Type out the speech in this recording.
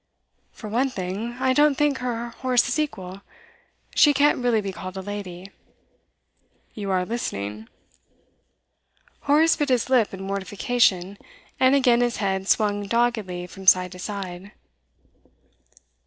'For one thing, I don't think her Horace's equal. She can't really be called a lady.' 'You are listening?' Horace bit his lip in mortification, and again his head swung doggedly from side to side.